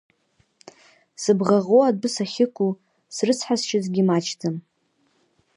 Сыбӷаӷо адәы сахьықәу, срыцҳазшьазгьы маҷӡам.